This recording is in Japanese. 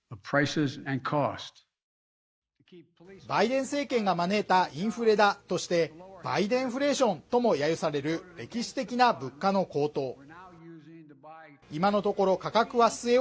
バイデン政権が招いたインフレだとしてバイデンフレーションとも揶揄される歴史的な物価の高騰